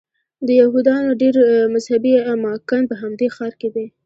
د یهودانو ډېر مذهبي اماکن په همدې ښار کې دي.